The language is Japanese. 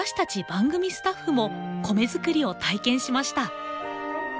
番組スタッフも米作りを体験しました。